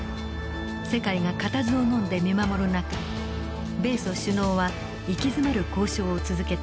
世界が固唾をのんで見守る中米ソ首脳は息詰まる交渉を続けていました。